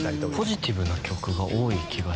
ポジティブな曲が多い気がします。